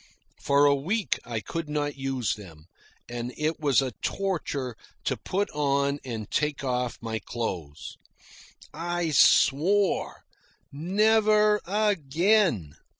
For a week I could not use them, and it was a torture to put on and take off my clothes. I swore, "Never again!"